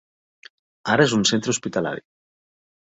Ara és un centre hospitalari.